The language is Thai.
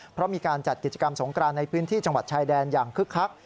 เพราะมีการจัดกิจกรรมสงกรานในพื้นที่จังหวัดชายแดนอย่างคึกคัก